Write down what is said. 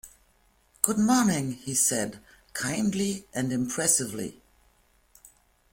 “Good-morning,” he said, kindly and impressively.